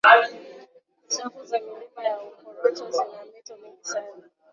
safu za milima ya uporoto zina mito mingi sana